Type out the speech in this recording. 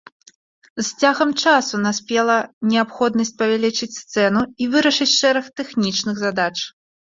З цягам часу наспела неабходнасць павялічыць сцэну і вырашыць шэраг тэхнічных задач.